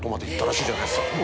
言ったらしいじゃないですか」。